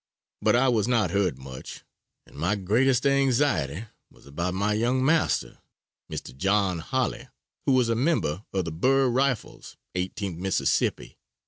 But I was not hurt much, and my greatest anxiety was about my young master, Mr. John Holly, who was a member of the Bur Rifles, 18th Mississippi.